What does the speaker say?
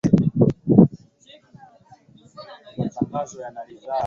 halafu mtu hakupendi au mtu ana kisasi na wewe